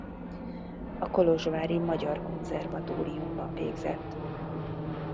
A Kolozsvári Magyar Konzervatóriumban végzett.